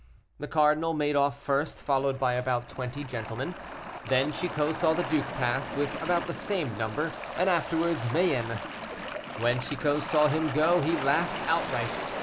The cardinal made off first, followed by about twenty gentlemen. Then Chicot saw the duke pass with about the same number, and afterwards Mayenne. When Chicot saw him go he laughed outright.